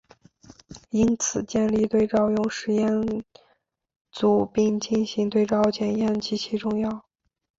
因此建立对照用实验组并进行对照检验极其重要。